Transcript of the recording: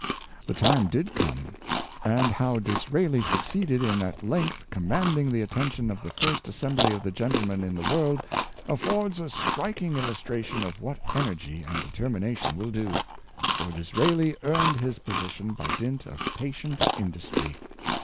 The time did come; and how Disraeli succeeded in at length commanding the attention of the first assembly of gentlemen in the world, affords a striking illustration of what energy and determination will do, for Disraeli earned his position by dint of patient industry.